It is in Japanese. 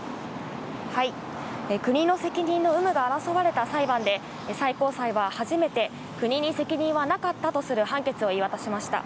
国の責任の有無が争われた裁判で、最高裁は初めて、国に責任はなかったとする判決を言い渡しました。